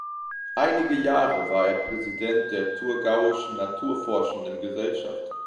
Einige Jahre war er Präsident der Thurgauischen Naturforschenden Gesellschaft.